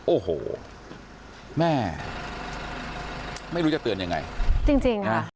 โอ้โหแม่ไม่รู้จะเตือนยังไงจริงจริงค่ะ